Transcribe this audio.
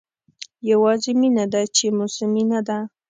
یوازې مینه ده چې موسمي نه ده.